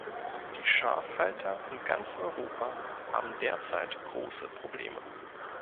Die Schafhalter in ganz Europa haben derzeit große Probleme.